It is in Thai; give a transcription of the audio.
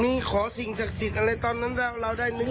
มีขอสิ่งจักษิตอะไรตอนนั้นเถ้าเราได้นึกไหม